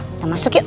kita masuk yuk